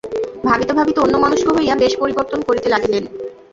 ভাবিতে ভাবিতে অন্যমনস্ক হইয়া বেশ পরিবর্তন করিতে লাগিলেন।